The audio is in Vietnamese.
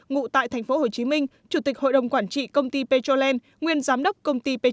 ngụ tại tp hcm chủ tịch hội đồng quản trị công ty petroland nguyên giám đốc công ty petroland